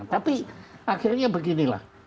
tapi akhirnya beginilah